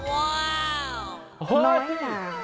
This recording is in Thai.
น้อยหนา